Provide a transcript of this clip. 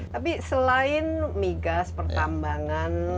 tapi selain migas pertambangan